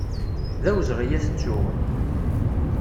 D awezɣi ad t-ttuɣ.